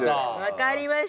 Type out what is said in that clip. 分かりました。